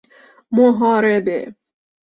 محاربه